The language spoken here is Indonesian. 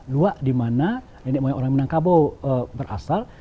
luak di mana nenek boyang orang minangkabau berasal